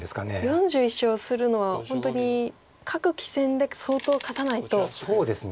４１勝するのは本当に各棋戦で相当勝たないとできないという。